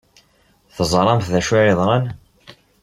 Teẓramt d acu ay yeḍran?